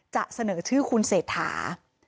จะเสนอชื่อคุณเศรษฐา